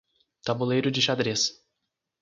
Tabuleiro de xadrez